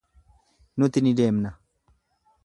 Nuti ni deemna.